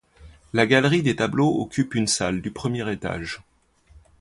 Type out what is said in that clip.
La galerie des tableaux occupe une salle du premier étage.